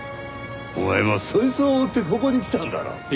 お前もそいつを追ってここに来たんだろう？